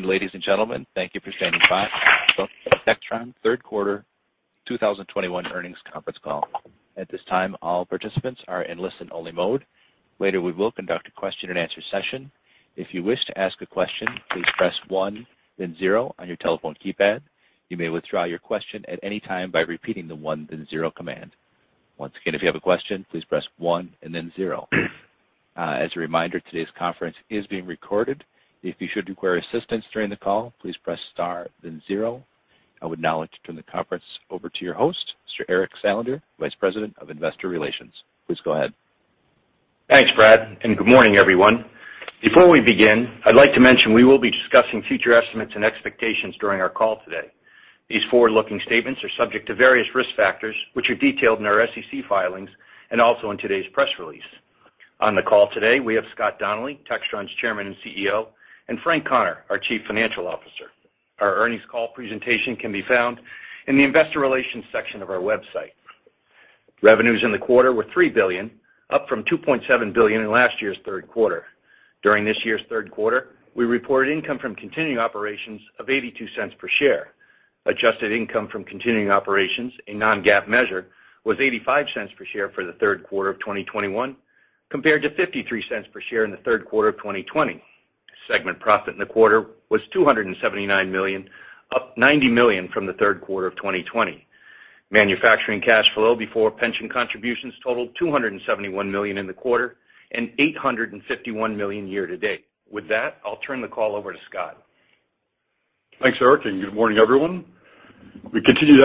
Ladies and gentlemen, thank you for standing by for Textron third quarter 2021 earnings conference call. At this time, all participants are in listen-only mode. Later, we will conduct a question and answer session. If you wish to ask a question, please press one then zero on your telephone keypad. You may withdraw your question at any time by repeating the one then zero command. Once again, if you have a question, please press one and then zero. As a reminder, today's conference is being recorded. If you should require assistance during the call, please press star then zero. I would now like to turn the conference over to your host, Mr. Eric Salander, Vice President of Investor Relations. Please go ahead. Thanks, Brad, and good morning, everyone. Before we begin, I'd like to mention we will be discussing future estimates and expectations during our call today. These forward-looking statements are subject to various risk factors which are detailed in our SEC filings and also in today's press release. On the call today, we have Scott Donnelly, Textron's Chairman and CEO, and Frank Connor, our Chief Financial Officer. Our earnings call presentation can be found in the investor relations section of our website. Revenues in the quarter were $3 billion, up from $2.7 billion in last year's third quarter. During this year's third quarter, we reported income from continuing operations of $0.82 per share. Adjusted income from continuing operations, a non-GAAP measure, was $0.85 per share for the third quarter of 2021 compared to $0.53 per share in the third quarter of 2020. Segment profit in the quarter was $279 million, up $90 million from the third quarter of 2020. Manufacturing cash flow before pension contributions totaled $271 million in the quarter and $851 million year to date. With that, I'll turn the call over to Scott. Thanks, Eric, and good morning, everyone. We continued to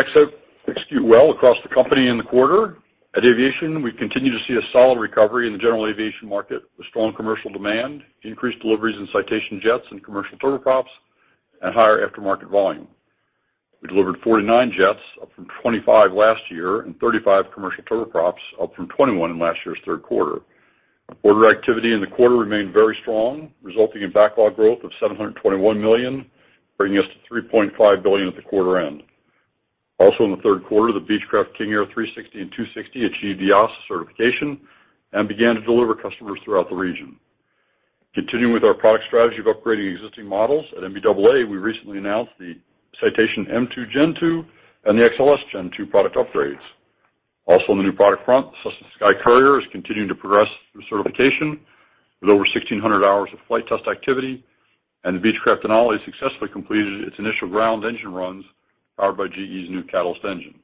execute well across the company in the quarter. At Aviation, we continued to see a solid recovery in the general aviation market with strong commercial demand, increased deliveries in Citation jets and commercial turboprops, and higher aftermarket volume. We delivered 49 jets, up from 25 last year, and 35 commercial turboprops, up from 21 in last year's third quarter. Order activity in the quarter remained very strong, resulting in backlog growth of $721 million, bringing us to $3.5 billion at the quarter end. Also in the third quarter, the Beechcraft King Air 360 and 260 achieved EASA certification and began to deliver to customers throughout the region. Continuing with our product strategy of upgrading existing models, at NBAA we recently announced the Citation M2 Gen 2 and the XLS Gen 2 product upgrades. Also on the new product front, Cessna SkyCourier is continuing to progress through certification with over 1,600 hours of flight test activity, and the Beechcraft Denali successfully completed its initial ground engine runs powered by GE's new Catalyst engine.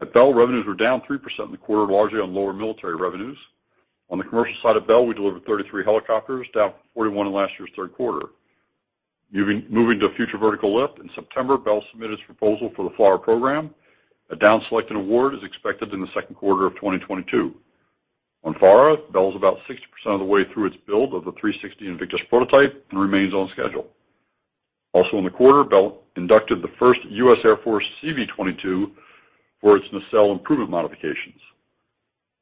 At Bell, revenues were down 3% in the quarter, largely on lower military revenues. On the commercial side of Bell, we delivered 33 helicopters, down from 41 in last year's third quarter. Moving to future vertical lift, in September, Bell submitted its proposal for the FLRAA program. A down-selected award is expected in the second quarter of 2022. On FARA, Bell's about 60% of the way through its build of the 360 Invictus prototype and remains on schedule. Also in the quarter, Bell inducted the first U.S. Air Force CV-22 for its nacelle improvement modifications.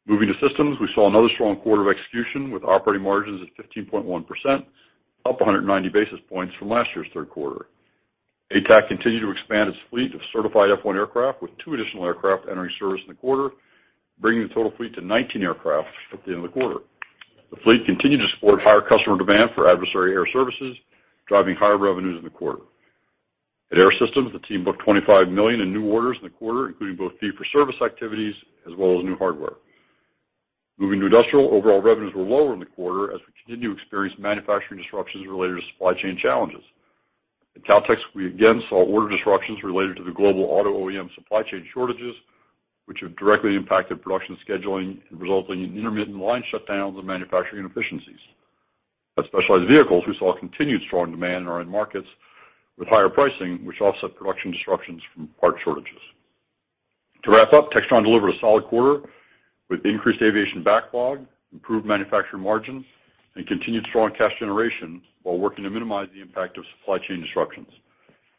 Moving to Systems, we saw another strong quarter of execution with operating margins at 15.1%, up 190 basis points from last year's third quarter. ATAC continued to expand its fleet of certified F1 aircraft, with two additional aircraft entering service in the quarter, bringing the total fleet to 19 aircraft at the end of the quarter. The fleet continued to support higher customer demand for adversary air services, driving higher revenues in the quarter. At Air Systems, the team booked $25 million in new orders in the quarter, including both fee-for-service activities as well as new hardware. Moving to Industrial, overall revenues were lower in the quarter as we continue to experience manufacturing disruptions related to supply chain challenges. At Kautex, we again saw order disruptions related to the global auto OEM supply chain shortages, which have directly impacted production scheduling and resulting in intermittent line shutdowns and manufacturing inefficiencies. At Specialized Vehicles, we saw continued strong demand in our end markets with higher pricing, which offset production disruptions from part shortages. To wrap up, Textron delivered a solid quarter with increased aviation backlog, improved manufacturing margins, and continued strong cash generation while working to minimize the impact of supply chain disruptions.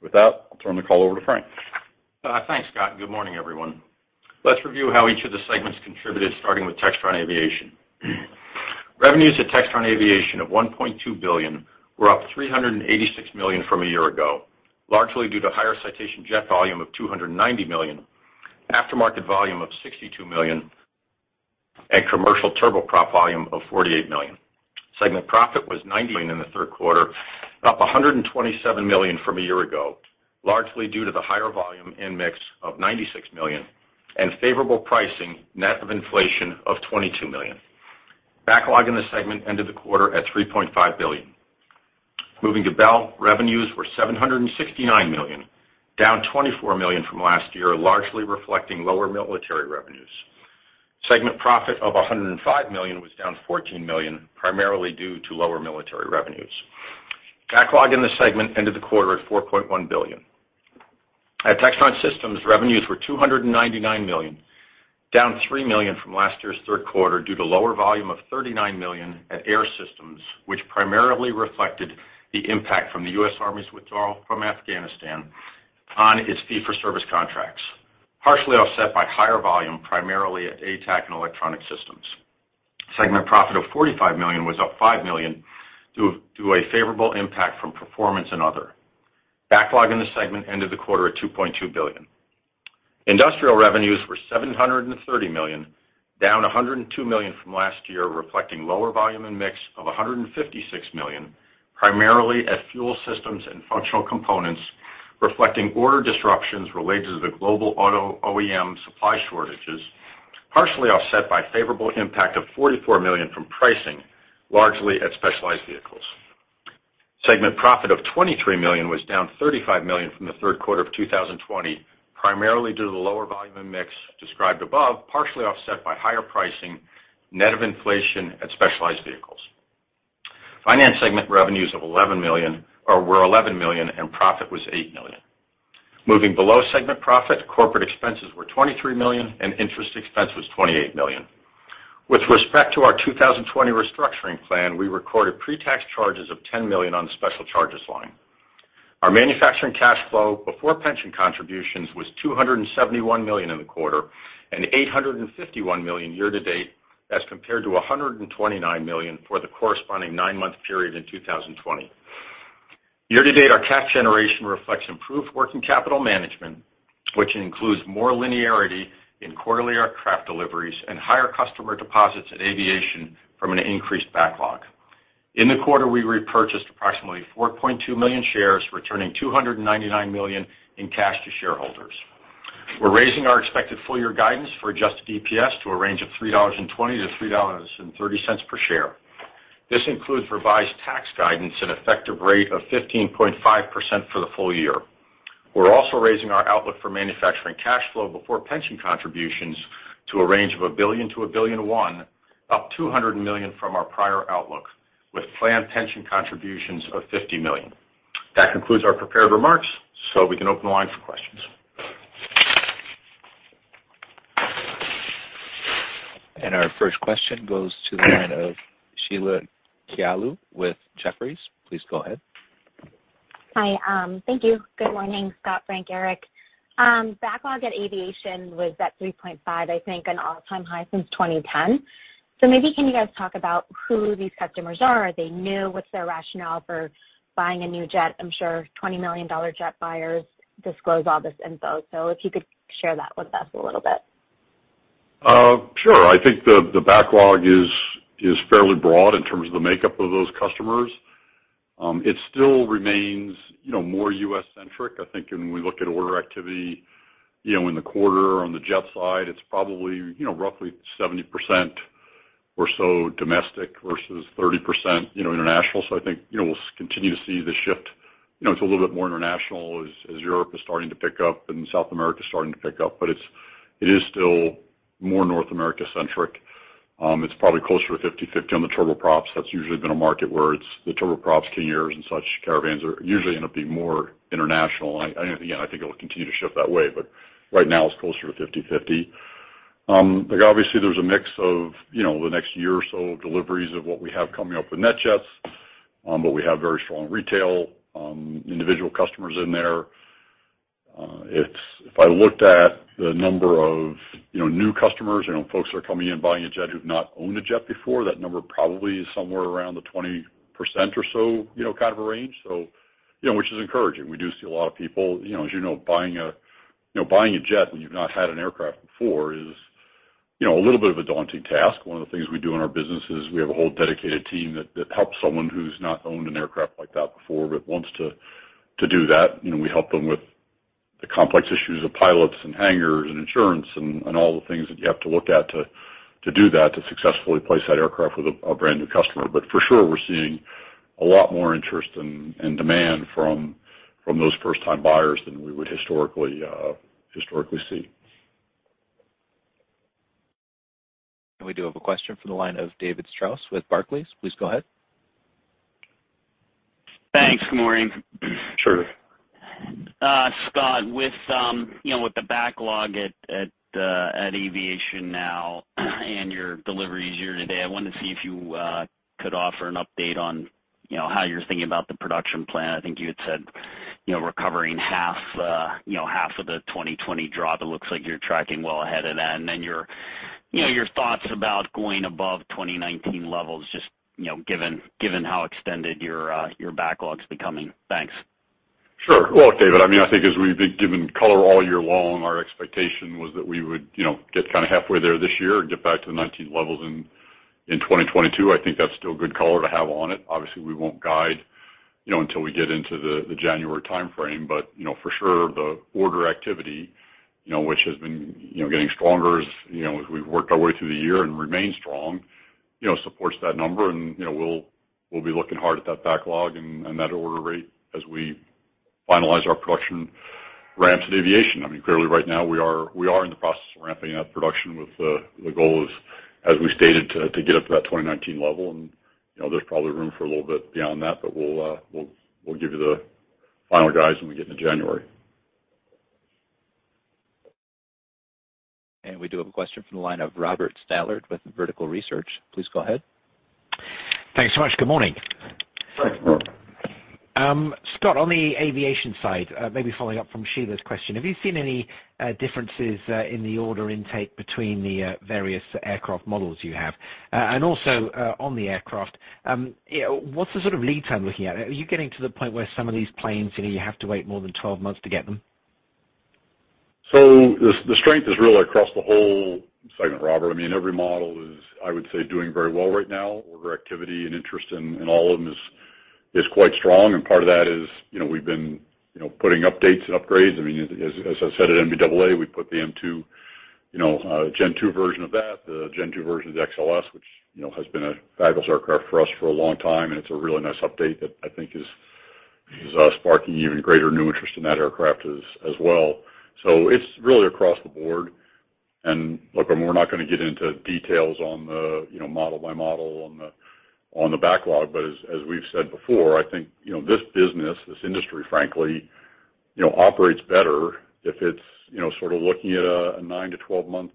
With that, I'll turn the call over to Frank. Thanks, Scott, and good morning, everyone. Let's review how each of the segments contributed, starting with Textron Aviation. Revenues at Textron Aviation of $1.2 billion were up $386 million from a year ago, largely due to higher Citation jet volume of $290 million, aftermarket volume of $62 million, and commercial turboprop volume of $48 million. Segment profit was $90 million in the third quarter, up $127 million from a year ago, largely due to the higher volume and mix of $96 million and favorable pricing net of inflation of $22 million. Backlog in the segment ended the quarter at $3.5 billion. Moving to Bell, revenues were $769 million, down $24 million from last year, largely reflecting lower military revenues. Segment profit of $105 million was down $14 million, primarily due to lower military revenues. Backlog in the segment ended the quarter at $4.1 billion. At Textron Systems, revenues were $299 million, down $3 million from last year's third quarter due to lower volume of $39 million at Air Systems, which primarily reflected the impact from the U.S. Army's withdrawal from Afghanistan on its fee-for-service contracts, partially offset by higher volume, primarily at ATAC and Electronic Systems. Segment profit of $45 million was up $5 million due to a favorable impact from performance and other. Backlog in the segment ended the quarter at $2.2 billion. Industrial revenues were $730 million, down $102 million from last year, reflecting lower volume and mix of $156 million, primarily at Fuel Systems and Functional Components, reflecting order disruptions related to the global auto OEM supply shortages, partially offset by favorable impact of $44 million from pricing, largely at Specialized Vehicles. Segment profit of $23 million was down $35 million from the third quarter of 2020, primarily due to the lower volume and mix described above, partially offset by higher pricing, net of inflation at Specialized Vehicles. Finance segment revenues were $11 million, and profit was $8 million. Moving below segment profit, corporate expenses were $23 million, and interest expense was $28 million. With respect to our 2020 restructuring plan, we recorded pre-tax charges of $10 million on the special charges line. Our manufacturing cash flow before pension contributions was $271 million in the quarter and $851 million year-to-date as compared to $129 million for the corresponding nine-month period in 2020. Year-to-date, our cash generation reflects improved working capital management, which includes more linearity in quarterly aircraft deliveries and higher customer deposits at aviation from an increased backlog. In the quarter, we repurchased approximately 4.2 million shares, returning $299 million in cash to shareholders. We're raising our expected full year guidance for adjusted EPS to a range of $3.20-$3.30 per share. This includes revised tax guidance, an effective rate of 15.5% for the full year. We're also raising our outlook for manufacturing cash flow before pension contributions to a range of $1 billion-$1.1 billion, up $200 million from our prior outlook, with planned pension contributions of $50 million. That concludes our prepared remarks, so we can open the line for questions. Our first question goes to the line of Sheila Kahyaoglu with Jefferies. Please go ahead. Hi. Thank you. Good morning, Scott, Frank, Eric. Backlog at aviation was at 3.5, I think, an all-time high since 2010. Maybe can you guys talk about who these customers are? Are they new? What's their rationale for buying a new jet? I'm sure $20 million jet buyers disclose all this info, if you could share that with us a little bit. Sure. I think the backlog is fairly broad in terms of the makeup of those customers. It still remains, you know, more U.S.-centric. I think when we look at order activity, you know, in the quarter on the jet side, it's probably, you know, roughly 70% or so domestic versus 30%, you know, international. I think, you know, we'll continue to see the shift. You know, it's a little bit more international as Europe is starting to pick up and South America is starting to pick up, but it is still more North America-centric. It's probably closer to 50/50 on the turboprops. That's usually been a market where it's the turboprops, King Airs and such, Caravans are usually end up being more international. I again think it will continue to shift that way, but right now it's closer to 50/50. Like, obviously there's a mix of, you know, the next year or so of deliveries of what we have coming up with NetJets, but we have very strong retail, individual customers in there. If I looked at the number of, you know, new customers, you know, folks that are coming in buying a jet who've not owned a jet before, that number probably is somewhere around the 20% or so, you know, kind of a range. You know, which is encouraging. We do see a lot of people, you know, as you know, buying a, you know, buying a jet when you've not had an aircraft before is, you know, a little bit of a daunting task. One of the things we do in our business is we have a whole dedicated team that helps someone who's not owned an aircraft like that before, but wants to do that. You know, we help them with the complex issues of pilots and hangars and insurance and all the things that you have to look at to do that, to successfully place that aircraft with a brand new customer. For sure, we're seeing a lot more interest and demand from those first time buyers than we would historically see. We do have a question from the line of David Strauss with Barclays. Please go ahead. Thanks. Good morning. Sure. Scott, with the backlog at aviation now and your deliveries year to date, I wanted to see if you could offer an update on how you're thinking about the production plan. I think you had said recovering half of the 2020 drop. It looks like you're tracking well ahead of that. Your thoughts about going above 2019 levels just, you know, given how extended your backlog's becoming. Thanks. Sure. Well, look, David, I mean, I think as we've been giving color all year long, our expectation was that we would, you know, get kind of halfway there this year and get back to the 2019 levels in 2022. I think that's still good color to have on it. Obviously, we won't guide, you know, until we get into the January timeframe. But, you know, for sure, the order activity, you know, which has been, you know, getting stronger as, you know, as we've worked our way through the year and remained strong, you know, supports that number. You know, we'll be looking hard at that backlog and that order rate as we finalize our production ramps in aviation. I mean, clearly right now we are in the process of ramping up production with the goal is, as we stated, to get up to that 2019 level. You know, there's probably room for a little bit beyond that, but we'll give you the final guidance when we get into January. We do have a question from the line of Robert Stallard with Vertical Research. Please go ahead. Thanks so much. Good morning. Thanks, Robert. Scott, on the aviation side, maybe following up from Sheila's question, have you seen any differences in the order intake between the various aircraft models you have? Also, on the aircraft, you know, what's the sort of lead time looking at? Are you getting to the point where some of these planes, you know, you have to wait more than 12 months to get them? The strength is really across the whole segment, Robert. I mean, every model is, I would say, doing very well right now. Order activity and interest in all of them is quite strong. Part of that is, you know, we've been, you know, putting updates and upgrades. I mean, as I said at NBAA, we put the M2, you know, Gen2 version of that, the Gen2 version of the XLS, which you know, has been a fabulous aircraft for us for a long time, and it's a really nice update that I think is sparking even greater new interest in that aircraft as well. It's really across the board. Look, we're not gonna get into details on the model by model on the backlog, but as we've said before, I think this business, this industry, frankly, operates better if it's sort of looking at a nine-12 month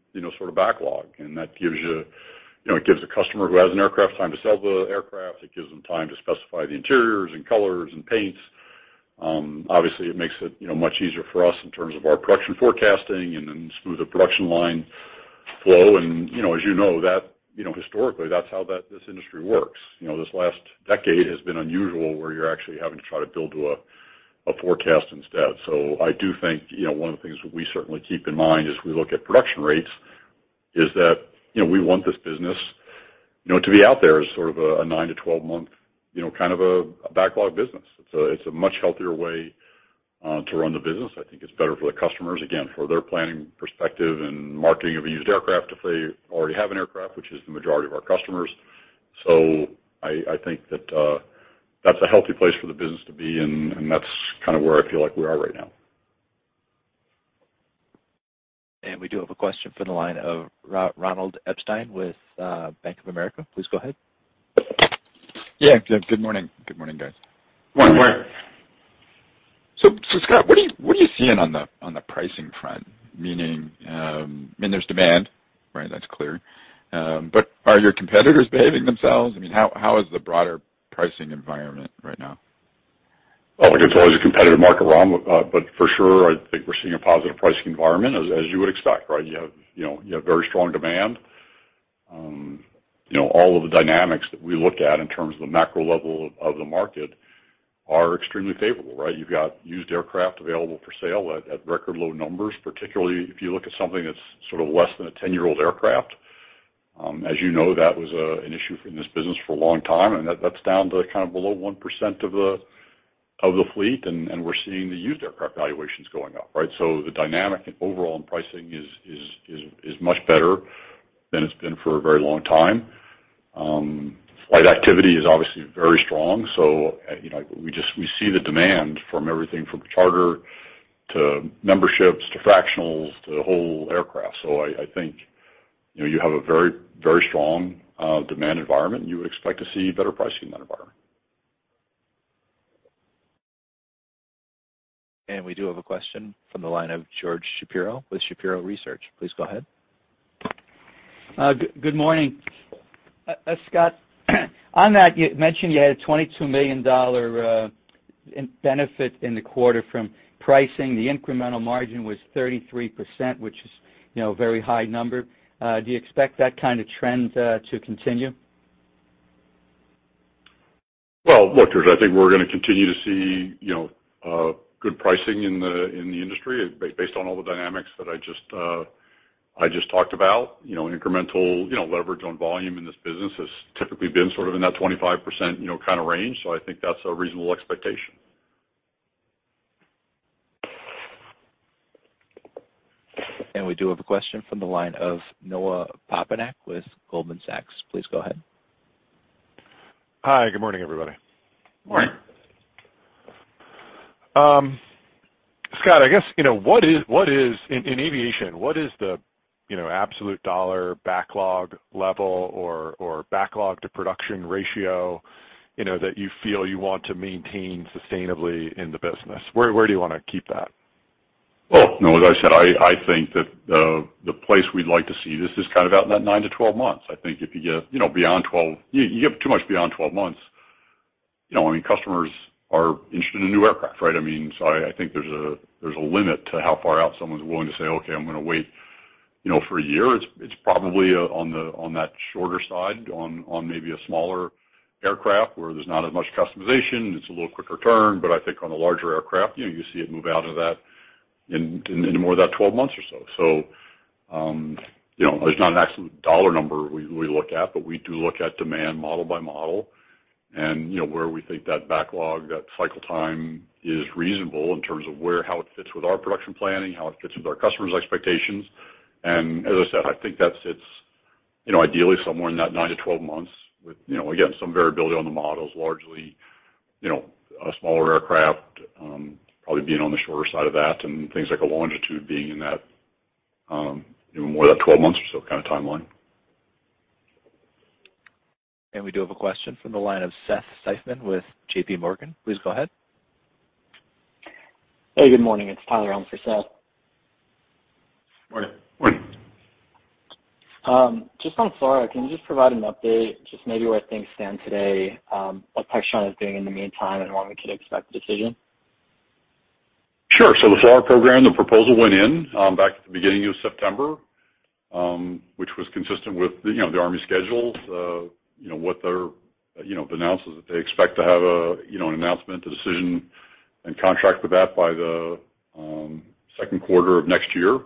backlog. That gives you it gives a customer who has an aircraft time to sell the aircraft. It gives them time to specify the interiors and colors and paints. Obviously, it makes it much easier for us in terms of our production forecasting and then smoother production line flow. As you know, that historically, that's how that this industry works. This last decade has been unusual where you're actually having to try to build to a forecast instead. I do think, you know, one of the things that we certainly keep in mind as we look at production rates is that, you know, we want this business, you know, to be out there as sort of a nine-12 month, you know, kind of a backlog business. It's a much healthier way to run the business. I think it's better for the customers, again, for their planning perspective and marketing of a used aircraft if they already have an aircraft, which is the majority of our customers. I think that that's a healthy place for the business to be, and that's kind of where I feel like we are right now. We do have a question from the line of Ronald Epstein with Bank of America. Please go ahead. Yeah. Good morning. Good morning, guys. Good morning. Scott, what are you seeing on the pricing front? Meaning, I mean, there's demand, right? That's clear. Are your competitors behaving themselves? I mean, how is the broader pricing environment right now? Well, look, it's always a competitive market, Ron, but for sure, I think we're seeing a positive pricing environment as you would expect, right? You have, you know, very strong demand. You know, all of the dynamics that we look at in terms of the macro level of the market are extremely favorable, right? You've got used aircraft available for sale at record low numbers, particularly if you look at something that's sort of less than a 10-year-old aircraft. As you know, that was an issue in this business for a long time, and that's down to kind of below 1% of the fleet, and we're seeing the used aircraft valuations going up, right? The dynamic overall in pricing is much better than it's been for a very long time. Flight activity is obviously very strong. You know, we see the demand from everything from charter to memberships, to fractionals, to whole aircraft. I think, you know, you have a very, very strong demand environment, and you would expect to see better pricing in that environment. We do have a question from the line of George Shapiro with Shapiro Research. Please go ahead. Good morning. Scott, on that, you mentioned you had a $22 million benefit in the quarter from pricing. The incremental margin was 33%, which is, you know, a very high number. Do you expect that kind of trend to continue? Well, look, George, I think we're gonna continue to see, you know, good pricing in the industry based on all the dynamics that I just talked about. You know, incremental, you know, leverage on volume in this business has typically been sort of in that 25% kind of range. I think that's a reasonable expectation. We do have a question from the line of Noah Poponak with Goldman Sachs. Please go ahead. Hi, good morning, everybody. Morning. Scott, I guess, you know, in aviation, what is the absolute dollar backlog level or backlog to production ratio, you know, that you feel you want to maintain sustainably in the business? Where do you wanna keep that? Well, Noah, as I said, I think that the place we'd like to see this is kind of out in that nine-12 months. I think if you get, you know, beyond 12. You get too much beyond 12 months, you know what I mean? Customers are interested in new aircraft, right? I mean, I think there's a limit to how far out someone's willing to say, "Okay, I'm gonna wait, you know, for a year." It's probably on the shorter side, on maybe a smaller aircraft where there's not as much customization. It's a little quicker turn. I think on the larger aircraft, you know, you see it move out into that in more of that 12 months or so. you know, there's not an absolute dollar number we look at, but we do look at demand model by model and, you know, where we think that backlog, that cycle time is reasonable in terms of where, how it fits with our production planning, how it fits with our customers' expectations. I said, I think that sits, you know, ideally somewhere in that nine-12 months with, you know, again, some variability on the models, largely, you know, a smaller aircraft probably being on the shorter side of that, and things like a Longitude being in that more that 12 months or so kind of timeline. We do have a question from the line of Seth Seifman with JPMorgan. Please go ahead. Hey, good morning. It's Tyler in for Seth. Morning. Just on FLRAA, can you just provide an update, just maybe where things stand today, what Textron is doing in the meantime, and when we could expect a decision? Sure. The SORA program, the proposal went in back at the beginning of September, which was consistent with the, you know, the Army schedules. You know, what their, you know, the analysis that they expect to have a, you know, an announcement, a decision, and contract for that by the second quarter of next year.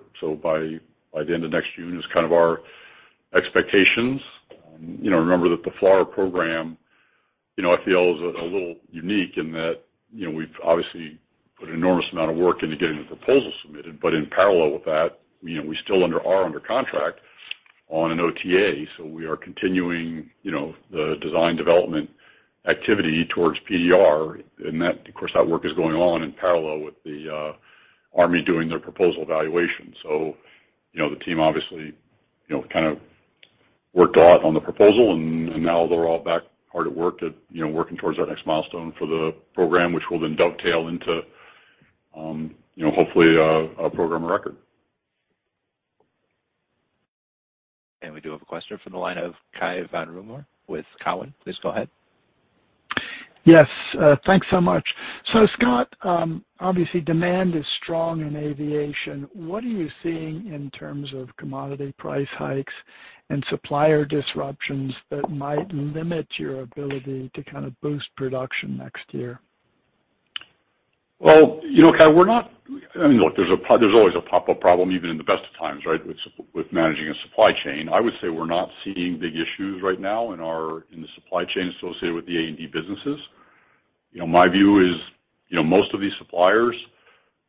By the end of next June is kind of our expectations. You know, remember that the FLRAA program, you know, I feel is a little unique in that, you know, we've obviously put an enormous amount of work into getting the proposal submitted. But in parallel with that, you know, we are under contract on an OTA. We are continuing, you know, the design development activity towards PDR. That, of course, work is going on in parallel with the Army doing their proposal evaluation. You know, the team obviously, you know, kind of worked a lot on the proposal and now they're all back hard at work at, you know, working towards our next milestone for the program, which will then dovetail into, you know, hopefully, a program of record. We do have a question from the line of Cai von Rumohr with Cowen. Please go ahead. Yes, thanks so much. Scott, obviously, demand is strong in aviation. What are you seeing in terms of commodity price hikes and supplier disruptions that might limit your ability to kind of boost production next year? Well, you know, Kai, we're not—I mean, look, there's always a pop-up problem even in the best of times, right? With managing a supply chain. I would say we're not seeing big issues right now in our supply chain associated with the A&D businesses. You know, my view is, you know, most of these suppliers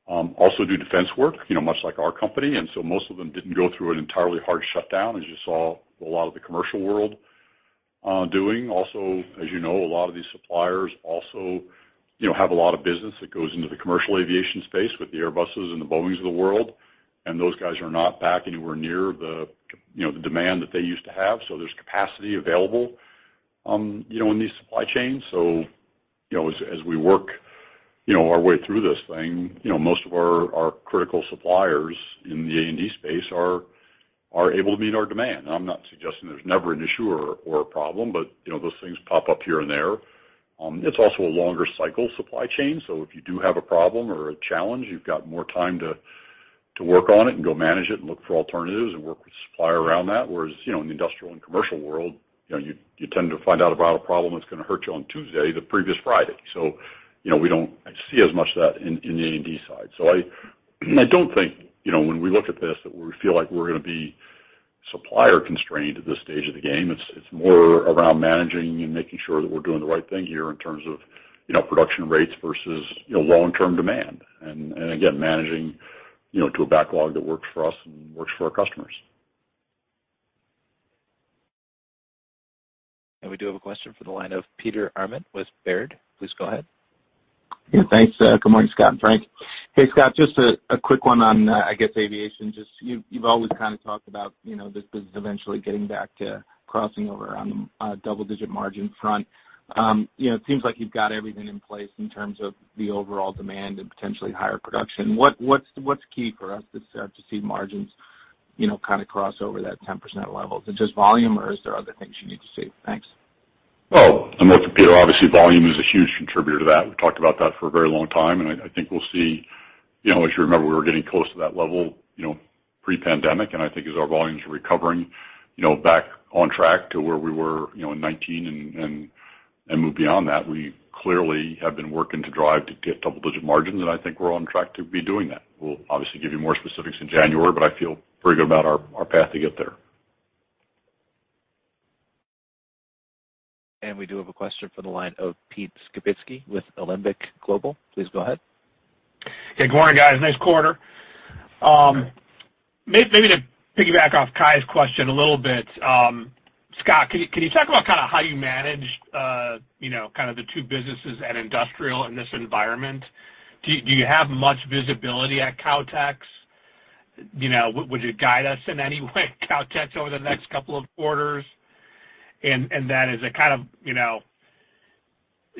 also do defense work, you know, much like our company. So most of them didn't go through an entirely hard shutdown as you saw a lot of the commercial world doing. Also, as you know, a lot of these suppliers also, you know, have a lot of business that goes into the commercial aviation space with the Airbus and the Boeing of the world. And those guys are not back anywhere near the demand that they used to have. There's capacity available, you know, in these supply chains. You know, as we work our way through this thing, you know, most of our critical suppliers in the A&D space are able to meet our demand. I'm not suggesting there's never an issue or a problem, but you know, those things pop up here and there. It's also a longer cycle supply chain, so if you do have a problem or a challenge, you've got more time to work on it and go manage it and look for alternatives and work with the supplier around that. Whereas, you know, in the industrial and commercial world, you know, you tend to find out about a problem that's gonna hurt you on Tuesday, the previous Friday. You know, we don't see as much of that in the A&D side. I don't think, you know, when we look at this, that we feel like we're gonna be supplier constrained at this stage of the game. It's more around managing and making sure that we're doing the right thing here in terms of, you know, production rates versus, you know, long-term demand. And again, managing, you know, to a backlog that works for us and works for our customers. We do have a question for the line of Peter Arment with Baird. Please go ahead. Yeah, thanks. Good morning, Scott and Frank. Hey, Scott, just a quick one on, I guess, aviation. Just you've always kind of talked about, you know, this business eventually getting back to crossing over on the double-digit margin front. You know, it seems like you've got everything in place in terms of the overall demand and potentially higher production. What's key for us to see margins, you know, kind of cross over that 10% level? Is it just volume, or is there other things you need to see? Thanks. Well, look, Peter, obviously, volume is a huge contributor to that. We've talked about that for a very long time, and I think we'll see, you know, as you remember, we were getting close to that level, you know, pre-pandemic. I think as our volumes are recovering, you know, back on track to where we were, you know, in 2019 and move beyond that. We clearly have been working to drive to hit double-digit margins, and I think we're on track to be doing that. We'll obviously give you more specifics in January, but I feel pretty good about our path to get there. We do have a question for the line of Pete Skibitski with Alembic Global. Please go ahead. Hey, good morning, guys. Nice quarter. Maybe to piggyback off Cai's question a little bit. Scott, can you talk about kind of how you manage, you know, kind of the two businesses at Industrial in this environment? Do you have much visibility at Kautex? You know, would you guide us in any way, Kautex, over the next couple of quarters? That is kind of, you know,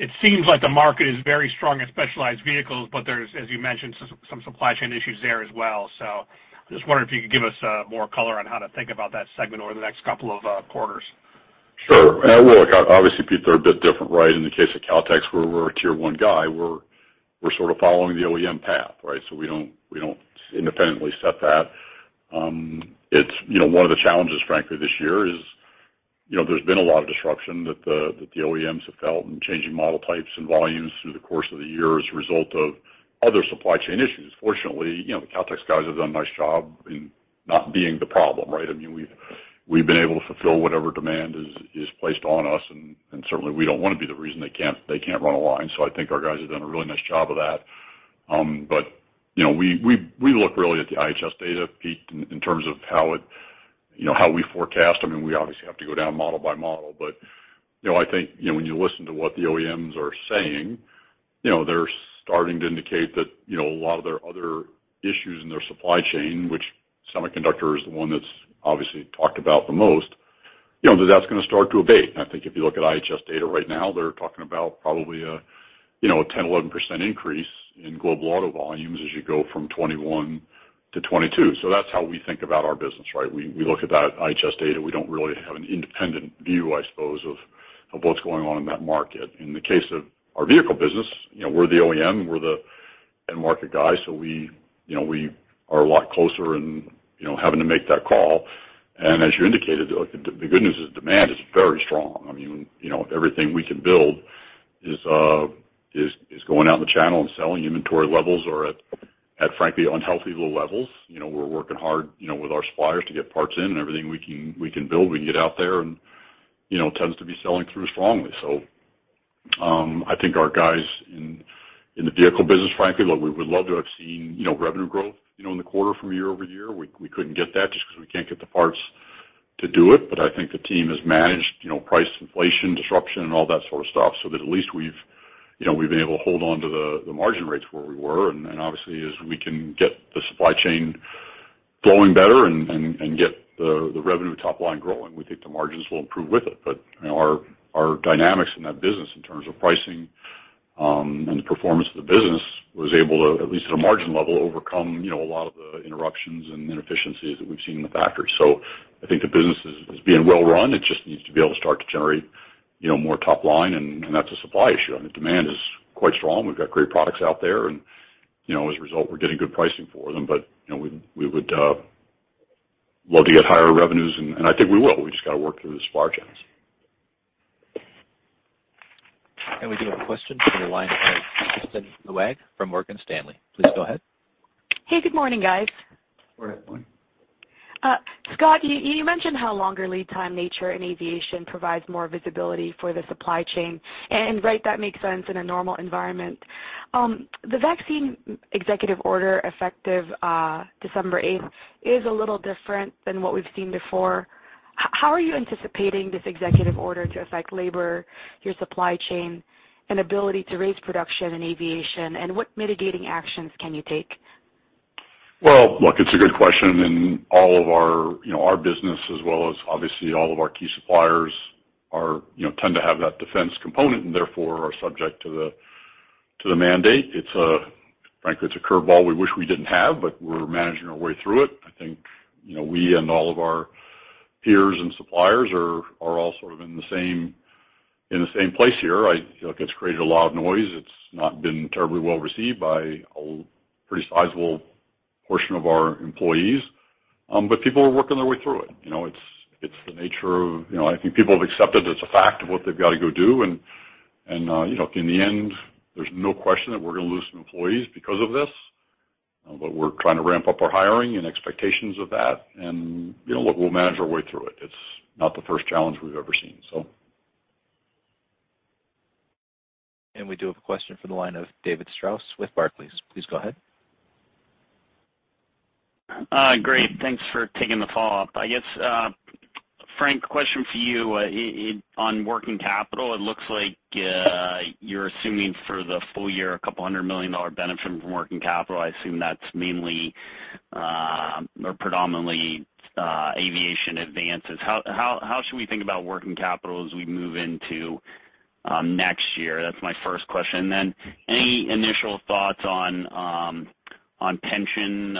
it seems like the market is very strong in specialized vehicles, but there's, as you mentioned, some supply chain issues there as well. I'm just wondering if you could give us more color on how to think about that segment over the next couple of quarters. Sure. Look, obviously, Pete, they're a bit different, right? In the case of Kautex, we're a tier one guy. We're sort of following the OEM path, right? We don't independently set that. It's you know, one of the challenges, frankly, this year is, you know, there's been a lot of disruption that the OEMs have felt in changing model types and volumes through the course of the year as a result of other supply chain issues. Fortunately, you know, the Kautex guys have done a nice job in not being the problem, right? I mean, we've been able to fulfill whatever demand is placed on us, and certainly, we don't wanna be the reason they can't run a line. I think our guys have done a really nice job of that. You know, we look really at the IHS data, Pete, in terms of how it, you know, how we forecast. I mean, we obviously have to go down model by model. You know, I think, you know, when you listen to what the OEMs are saying, you know, they're starting to indicate that, you know, a lot of their other issues in their supply chain, which semiconductor is the one that's obviously talked about the most, you know, that's gonna start to abate. I think if you look at IHS data right now, they're talking about probably a, you know, a 10%-11% increase in global auto volumes as you go from 2021 to 2022. That's how we think about our business, right? We look at that IHS data. We don't really have an independent view, I suppose, of what's going on in that market. In the case of our vehicle business, you know, we're the OEM, we're the end market guy. So we, you know, we are a lot closer in, you know, having to make that call. As you indicated, look, the good news is demand is very strong. I mean, you know, everything we can build is going out in the channel and selling. Inventory levels are at frankly unhealthy low levels. You know, we're working hard, you know, with our suppliers to get parts in, and everything we can build we can get out there and, you know, tends to be selling through strongly. I think our guys in the vehicle business, frankly, look, we would love to have seen, you know, revenue growth, you know, in the quarter from year over year. We couldn't get that just because we can't get the parts to do it. I think the team has managed, you know, price inflation, disruption and all that sort of stuff, so that at least we've, you know, we've been able to hold on to the margin rates where we were. Obviously, as we can get the supply chain flowing better and get the revenue top line growing, we think the margins will improve with it. You know, our dynamics in that business in terms of pricing, and the performance of the business was able to, at least at a margin level, overcome, you know, a lot of the interruptions and inefficiencies that we've seen in the factory. I think the business is being well run. It just needs to be able to start to generate, you know, more top line, and that's a supply issue. I mean, demand is quite strong. We've got great products out there and, you know, as a result, we're getting good pricing for them. You know, we would love to get higher revenues, and I think we will. We just gotta work through the supply chains. We do have a question from the line of Kristine Liwag from Morgan Stanley. Please go ahead. Hey, good morning, guys. Good morning. Scott, you mentioned how longer lead time nature in aviation provides more visibility for the supply chain. Right, that makes sense in a normal environment. The vaccine executive order effective December eighth is a little different than what we've seen before. How are you anticipating this executive order to affect labor, your supply chain, and ability to raise production in aviation, and what mitigating actions can you take? Well, look, it's a good question, and all of our, you know, our business as well as obviously all of our key suppliers are, you know, tend to have that defense component and therefore are subject to the mandate. Frankly, it's a curveball we wish we didn't have, but we're managing our way through it. I think, you know, we and all of our peers and suppliers are all sort of in the same place here. Look, it's created a lot of noise. It's not been terribly well received by a pretty sizable portion of our employees. People are working their way through it. You know, it's the nature of, you know, I think people have accepted it as a fact of what they've got to go do. You know, in the end, there's no question that we're gonna lose some employees because of this. We're trying to ramp up our hiring and expectations of that. You know, look, we'll manage our way through it. It's not the first challenge we've ever seen. We do have a question from the line of David Strauss with Barclays. Please go ahead. Great. Thanks for taking the follow-up. I guess, Frank, question for you on working capital. It looks like, you're assuming for the full year a couple hundred million dollar benefit from working capital. I assume that's mainly, or predominantly, aviation advances. How should we think about working capital as we move into next year? That's my first question. Then any initial thoughts on pension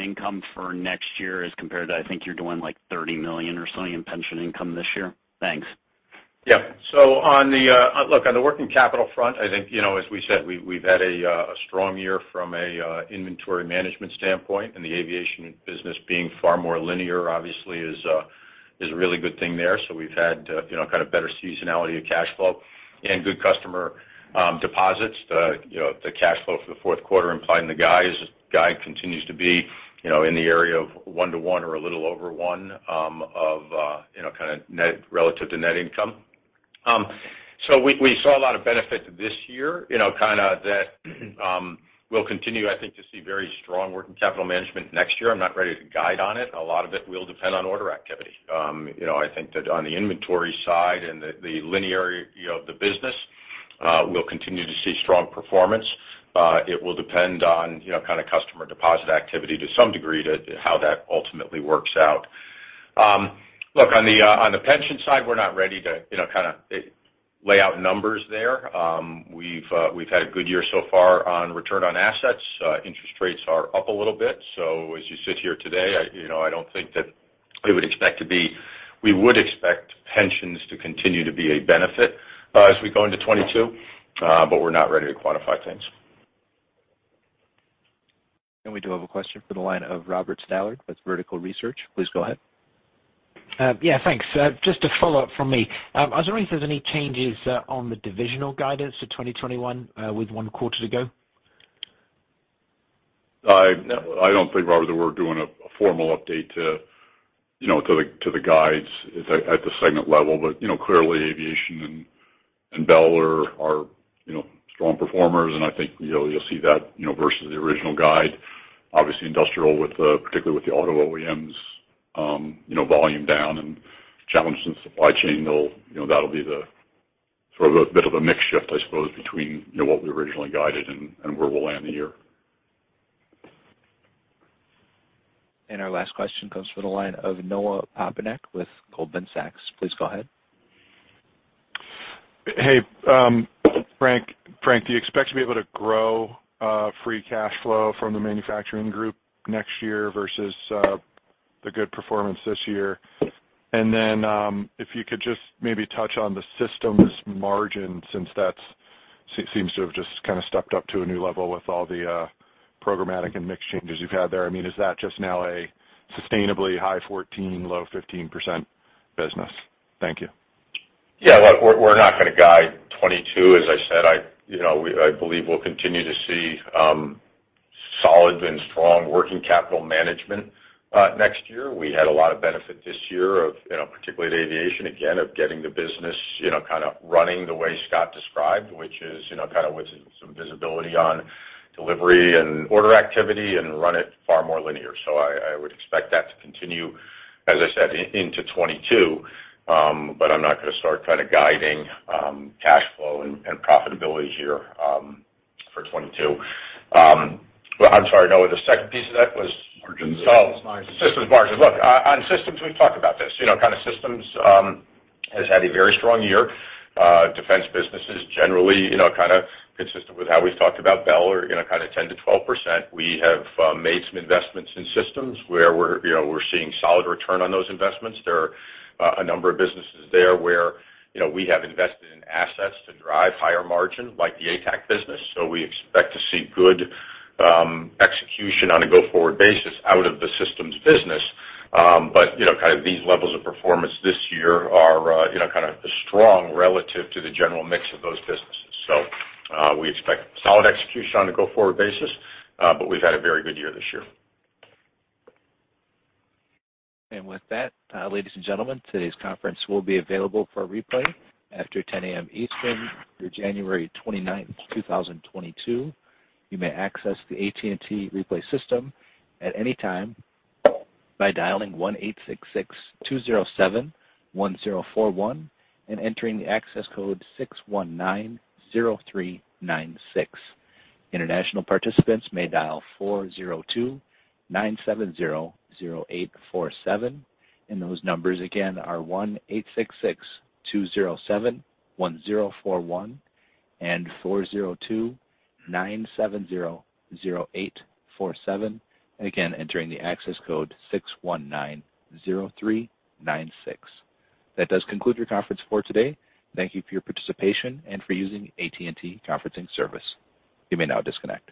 income for next year as compared to I think you're doing like $30 million or something in pension income this year? Thanks. Yeah. On the working capital front, I think, you know, as we said, we've had a strong year from a inventory management standpoint, and the aviation business being far more linear obviously is a really good thing there. We've had, you know, kind of better seasonality of cash flow and good customer deposits. The cash flow for the fourth quarter guide continues to be, you know, in the area of one-one or a little over one of net relative to net income. We saw a lot of benefit this year, you know, kind of that we'll continue, I think, to see very strong working capital management next year. I'm not ready to guide on it. A lot of it will depend on order activity. You know, I think that on the inventory side and the linear, you know, the business, we'll continue to see strong performance. It will depend on, you know, kind of customer deposit activity to some degree to how that ultimately works out. Look, on the pension side, we're not ready to, you know, kind of lay out numbers there. We've had a good year so far on return on assets. Interest rates are up a little bit. As you sit here today, I, you know, I don't think that we would expect pensions to continue to be a benefit, as we go into 2022, but we're not ready to quantify things. We do have a question for the line of Robert Stallard with Vertical Research. Please go ahead. Yeah, thanks. Just a follow-up from me. I was wondering if there's any changes on the divisional guidance for 2021 with one quarter to go. I don't think, Robert, that we're doing a formal update to the guides at the segment level. You know, clearly aviation and Bell are strong performers, and I think you'll see that versus the original guide. Obviously industrial with, particularly with the auto OEMs, volume down and challenges in supply chain, that'll be the sort of a bit of a mix shift, I suppose, between what we originally guided and where we'll land the year. Our last question comes from the line of Noah Poponak with Goldman Sachs. Please go ahead. Hey, Frank, do you expect to be able to grow free cash flow from the manufacturing group next year versus The good performance this year. If you could just maybe touch on the systems margin since that seems to have just kind of stepped up to a new level with all the programmatic and mix changes you've had there. I mean, is that just now a sustainably high 14, low 15% business? Thank you. Yeah, look, we're not gonna guide 2022. As I said, I believe we'll continue to see solid and strong working capital management next year. We had a lot of benefit this year of, you know, particularly the aviation, again, of getting the business, you know, kind of running the way Scott described, which is, you know, kind of with some visibility on delivery and order activity and run it far more linear. I would expect that to continue, as I said, into 2022. I'm not gonna start kind of guiding cash flow and profitability here for 2022. I'm sorry, Noah, the second piece of that was? Margins. Oh, systems margin. Look, on systems, we've talked about this. You know, kind of systems has had a very strong year. Defense business is generally, you know, kind of consistent with how we've talked about Bell or, you know, kind of 10%-12%. We have made some investments in systems where we're, you know, seeing solid return on those investments. There are a number of businesses there where, you know, we have invested in assets to drive higher margin, like the ATAC business. We expect to see good execution on a go-forward basis out of the systems business. You know, kind of these levels of performance this year are, you know, kind of strong relative to the general mix of those businesses. We expect solid execution on a go-forward basis, but we've had a very good year this year. With that, ladies and gentlemen, today's conference will be available for replay after 10 A.M. Eastern through January 29, 2022. You may access the AT&T Replay system at any time by dialing 1-866-207-1041 and entering the access code 6190396. International participants may dial 402-970-0847. Those numbers again are 1-866-207-1041 and 402-970-0847, and again entering the access code 6190396. That does conclude your conference for today. Thank you for your participation and for using AT&T Conferencing service. You may now disconnect.